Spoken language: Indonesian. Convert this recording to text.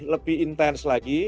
lebih intens lagi